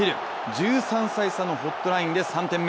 １３歳差のホットラインで３点目。